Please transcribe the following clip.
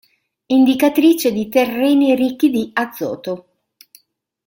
Indicatrice di terreni ricchi di azoto.